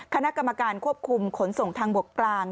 คณะกรรมการควบคุมขนส่งทางบกกลาง